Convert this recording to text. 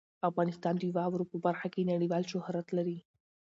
افغانستان د واورو په برخه کې نړیوال شهرت لري.